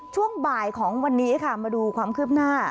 ช่วงบ่ายของวันนี้ค่ะมาดูความคืบหน้า